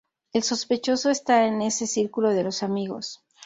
El sospechoso está en ese círculo de los amigos.